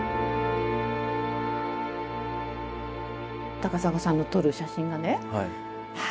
高砂さんの撮る写真がねああ